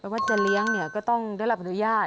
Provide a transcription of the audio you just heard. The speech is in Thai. ว่าจะเลี้ยงเนี่ยก็ต้องได้รับอนุญาต